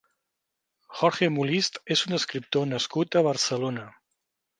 Jorge Molist és un escriptor nascut a Barcelona.